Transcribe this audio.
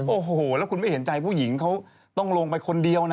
โอ้โหแล้วคุณไม่เห็นใจผู้หญิงเขาต้องลงไปคนเดียวนะ